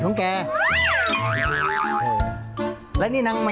ฟันหน้ามันหายมันหม่อโหว่